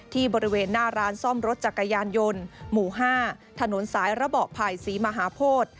บริเวณหน้าร้านซ่อมรถจักรยานยนต์หมู่๕ถนนสายระเบาะไผ่ศรีมหาโพธิ